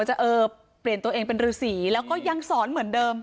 จะเออเปลี่ยนตัวเองเป็นฤษีแล้วก็ยังสอนเหมือนเดิม